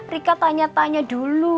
rika tanya tanya dulu